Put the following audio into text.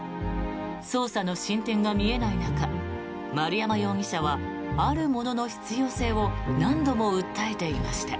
捜査の進展が見えない中丸山容疑者はあるものの必要性を何度も訴えていました。